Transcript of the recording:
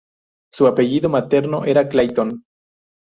Su apellido materno era Clayton.